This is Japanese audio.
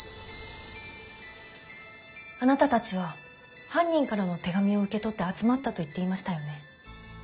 あなたたちは犯人からの手紙を受け取って集まったと言っていましたよね？